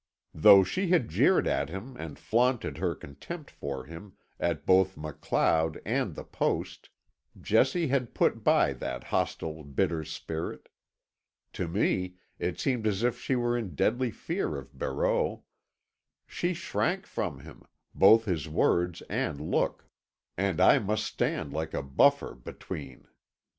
Though she had jeered at him and flaunted her contempt for him at both MacLeod and the post, Jessie had put by that hostile, bitter spirit. To me, it seemed as if she were in deadly fear of Barreau. She shrank from him, both his word and look. And I must stand like a buffer between.